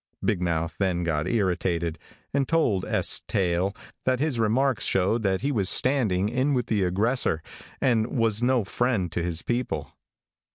Big Mouth then got irritated, and told S. Tail that his remarks showed that he was standing, in with the aggressor, and was no friend to his people.